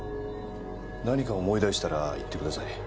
何か思い出したら言ってください。